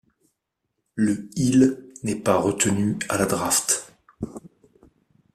Le il n'est pas retenu à la draft.